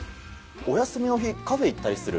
お休みの日、カフェに行ったりする？